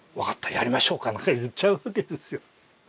やりましょうか」って言っちゃうわけですよ。